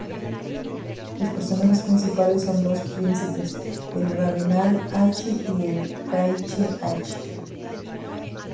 Los personajes principales son dos príncipes: el "Rabinal Achí" y el "K’iche Achí".